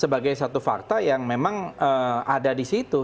sebagai satu fakta yang memang ada di situ